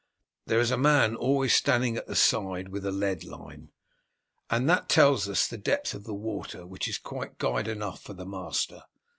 There is a man always standing at the side with a lead line, and that tells us the depth of water, which is quite guide enough for the master.